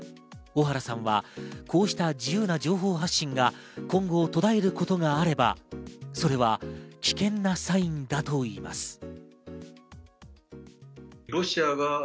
小原さんはこうした自由な情報発信が今後、途絶えることがあればそれは危険なサインだといいます。